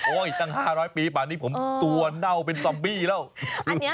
อีกตั้ง๕๐๐ปีป่านนี้ผมตัวเน่าเป็นซอมบี้แล้ว